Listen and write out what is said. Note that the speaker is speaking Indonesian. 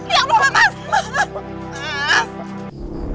ya allah mas